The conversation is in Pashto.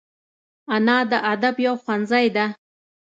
انا د ادب یو ښوونځی ده